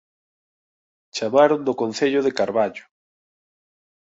Chamaron do Concello de Carballo